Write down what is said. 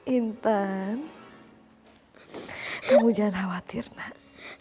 intent kamu jangan khawatir nak